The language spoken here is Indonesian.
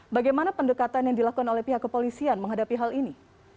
bagaimana pendekatan yang dilakukan oleh pihak kepolisian menghadapi hal ini